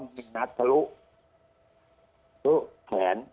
หูแผน